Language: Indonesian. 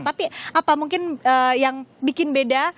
tapi apa mungkin yang bikin beda